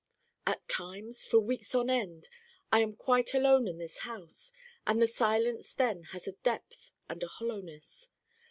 At times, for weeks on end, I am quite alone in this house and the silence then has a depth and a hollowness.